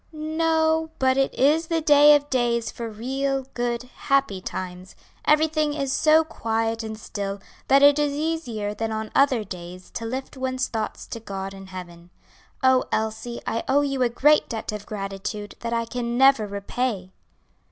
"No, but it is the day of days for real good, happy times; everything is so quiet and still that it is easier than on other days to lift one's thoughts to God and Heaven. Oh, Elsie, I owe you a great debt of gratitude, that I can never repay."